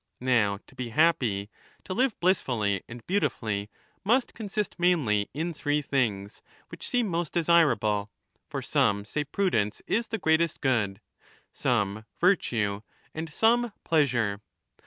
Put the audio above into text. Now to be happy, to live blissfully and beautifully, must consist mainly in three things, which seem most desirable ; for some say prudence ^ is the greatest good, some virtue, and some 1214^ pleasure.